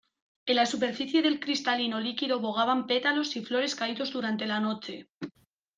En la superficie del cristalino líquido bogaban pétalos y flores caídos durante la noche.